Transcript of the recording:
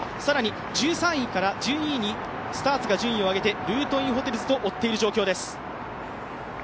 １３位から１２位にスターツが順位を上げて、ルートインホテルズと追っている状況です。